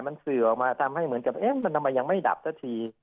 มันสื่อออกมาทำให้เหมือนกับเอ๊ะมันทำไมยังไม่ดับสักที